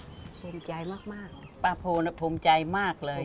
ภูมิใจมากป้าโพนภูมิใจมากเลย